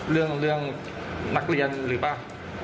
เรื่องนักเรียนหรือเปล่า